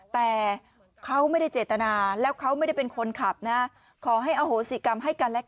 แต่เขาไม่ได้เจตนาแล้วเขาไม่ได้เป็นคนขับนะขอให้อโหสิกรรมให้กันและกัน